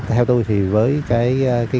theo tôi thì với cái